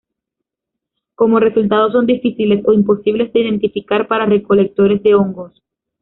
Como resultado, son difíciles o imposibles de identificar para recolectores de hongos.